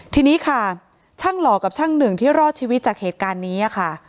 ทีนี้ค่ะช่างหล่อกับช่างหนึ่งที่รอดชีวิตจากเหตุการณ์นี้ค่ะ